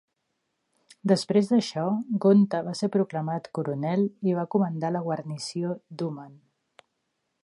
Després d'això, Gonta va ser proclamat coronel i va comandar la guarnició d'Uman.